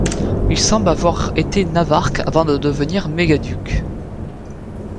Il semble avoir été navarque avant de devenir mégaduc.